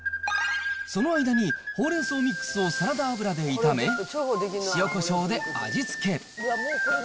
その間にほうれん草ミックスをサラダ油で炒め、塩こしょうで味付け。